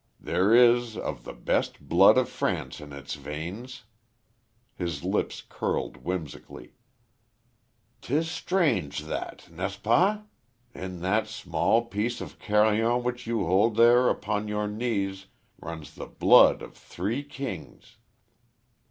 There is of the best blood of France in its veins." His lips curled, whimsically. "'Tis strange, that, n'es ce pas? In that small piece of carrion which you hold there upon your knees runs the blood of three kings."